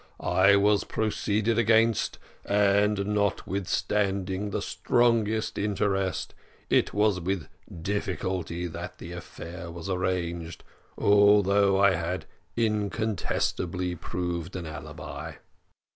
I was proceeded against, and notwithstanding the strongest interest, it was with difficulty that the affair was arranged, although I had incontestably proved an alibi.